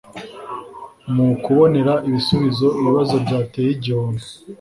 mu kubonera ibisubizo ibibazo byateye igihombo.